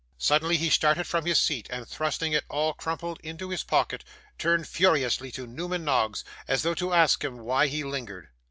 Suddenly, he started from his seat, and thrusting it all crumpled into his pocket, turned furiously to Newman Noggs, as though to ask him why he lingered.